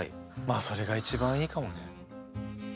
まあそれが一番いいかもね。